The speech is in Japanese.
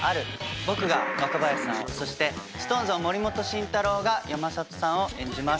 僕が若林さんをそしてＳｉｘＴＯＮＥＳの森本慎太郎が山里さんを演じます。